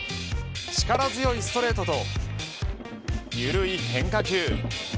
力強いストレートとゆるい変化球。